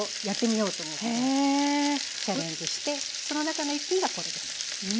チャレンジしてその中の一品がこれです。